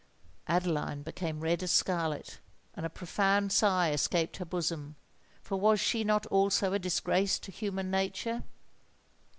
Adeline became red as scarlet, and a profound sigh escaped her bosom;—for was she not also a disgrace to human nature?